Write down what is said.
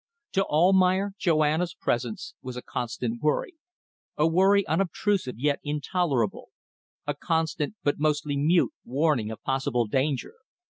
To Almayer, Joanna's presence was a constant worry, a worry unobtrusive yet intolerable; a constant, but mostly mute, warning of possible danger.